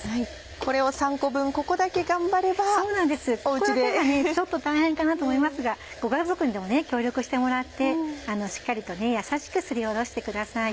ここらへんがちょっと大変かなと思いますがご家族にでも協力してもらってしっかりと優しくすりおろしてください。